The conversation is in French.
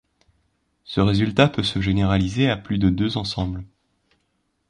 Ce résultat peut se généraliser à plus de deux ensembles.